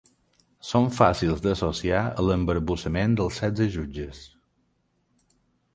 Són fàcils d'associar a l'embarbussament dels setze jutges.